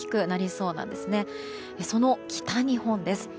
その北日本です。